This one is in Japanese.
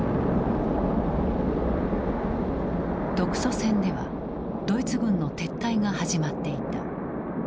独ソ戦ではドイツ軍の撤退が始まっていた。